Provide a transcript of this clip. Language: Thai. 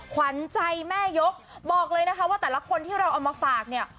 ขวัญใจแม่ยกบอกเลยนะคะว่าแต่ละคนที่เราเอามาฝากเนี่ย